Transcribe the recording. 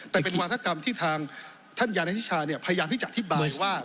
แต่เป็นวาธกรรมที่ทางท่านยานาธิชาพยายามที่จะอธิบายว่า